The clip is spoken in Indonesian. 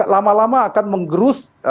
lama lama akan menggerus